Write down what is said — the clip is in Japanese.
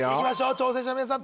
挑戦者の皆さん